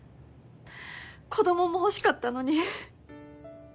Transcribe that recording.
子供も欲しかったのに。